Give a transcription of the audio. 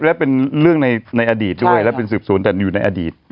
และเป็นเรื่องในอดีตด้วยและเป็นสืบสวนแต่อยู่ในอดีต